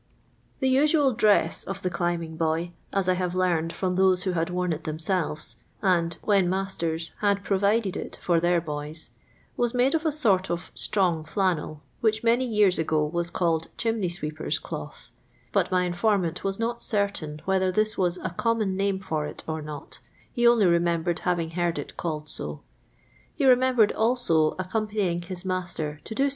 The usual dress of the climbing boy — as I have learned from those who had worn it themselves, and, when nmsters, had provided it for their boys — was made of a sort of strong flannel, which many yeiirs ago was called chimney sweepers' cloth ; but my informant was not certain whether this was a common name for it or not, he only remembered having heard it called so. He re , niembered, also, accompanying his master to do